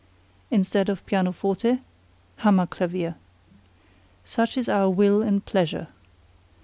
Instead of Pianoforte Hammer Clavier. Such is our will and pleasure.